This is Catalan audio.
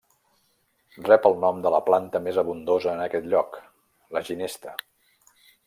Rep el nom de la planta més abundosa en aquest lloc, la ginesta.